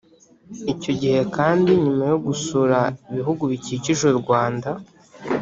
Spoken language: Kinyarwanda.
Icyo gihe kandi nyuma yo gusura ibihugu bikikije u Rwanda